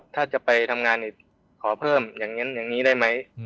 ถ้าจะไปทำงานขอเพิ่มอย่างนี้ได้ไหม